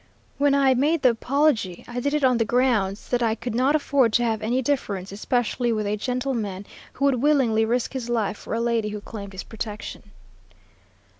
When I made the apology, I did it on the grounds that I could not afford to have any difference, especially with a gentleman who would willingly risk his life for a lady who claimed his protection.